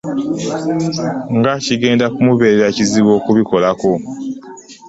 Nga kigenda kumubeerera kizibu okubikolako